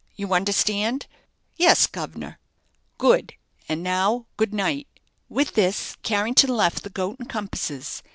You understand?" "Yes, guv'nor." "Good; and now, good night." With this Carrington left the "Goat and Compasses."